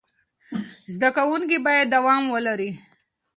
زده کوونکي باید دوام ولري.